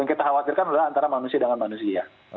yang kita khawatirkan adalah antara manusia dengan manusia